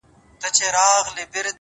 پوهه د انتخابونو وزن درک کوي’